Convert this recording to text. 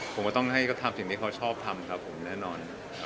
ผมก็ต้องให้ก็ทำสิ่งที่เขาชอบทำครับผมแน่นอน